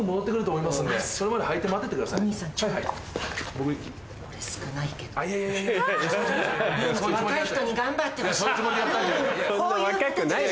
若い人に頑張ってほしいの。